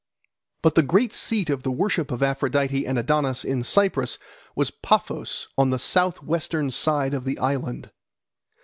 But the great seat of the worship of Aphrodite and Adonis in Cyprus was Paphos on the south western side of the island.